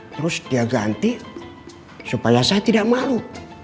terus dia ganti supaya saya tidak malu